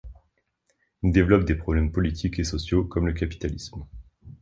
Il développe des problèmes politiques et sociaux comme le capitalisme.